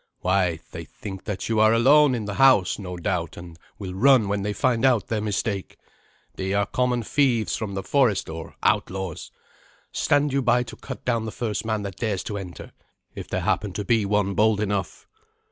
"Why, they think that you are alone in the house, no doubt, and will run when they find out their mistake. They are common thieves from the forest, or outlaws. Stand you by to cut down the first man that dares to enter, if there happen to be one bold enough."